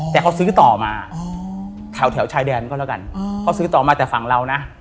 แต่เขาซื้อต่อมาแถวชายแดนก็แล้วกันเขาซื้อต่อมาแต่ฝั่งเรานะ